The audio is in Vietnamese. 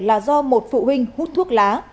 là do một phụ huynh hút thuốc lá